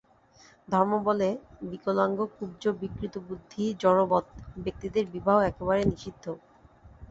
ধর্ম বলে, বিকলাঙ্গ কুব্জ বিকৃতবুদ্ধি জড়বৎ ব্যক্তিদের বিবাহ একেবারে নিষিদ্ধ।